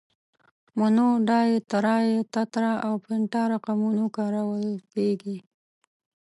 مونو، ډای، ترای، تترا او پنتا رقمونه کارول کیږي.